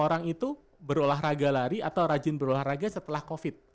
orang itu berolahraga lari atau rajin berolahraga setelah covid